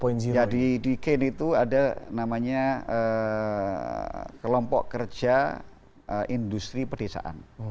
nah di kane itu ada namanya kelompok kerja industri pedesaan